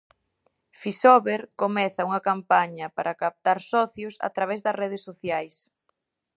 Fisober comeza unha campaña para captar socios a través das redes sociais.